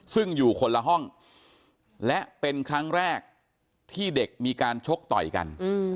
ซึ่งอยู่คนละห้องและเป็นครั้งแรกที่เด็กมีการชกต่อยกัน